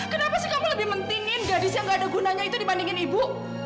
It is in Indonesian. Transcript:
kenapa sih kamu lebih mentinin gadis yang gak ada gunanya itu dibandingin ibu